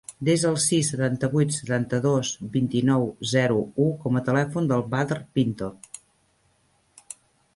Desa el sis, setanta-vuit, setanta-dos, vint-i-nou, zero, u com a telèfon del Badr Pinto.